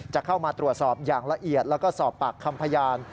จะเข้ามาตรวจสอบอย่างละเอียดแล้วก็สอบปากคำพยาน